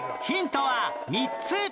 ヒントは３つ！